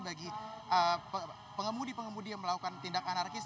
bagi pengemudi pengemudi yang melakukan tindak anarkis